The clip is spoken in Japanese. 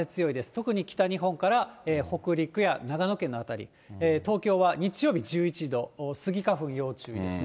特に北日本から北陸や長野県の辺り、東京は日曜日１１度、スギ花粉要注意ですね。